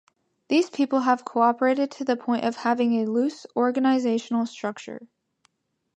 These people cooperated to the point of having a loose organizational structure.